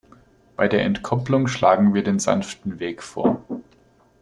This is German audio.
Bei der Entkopplung schlagen wir den sanften Weg vor.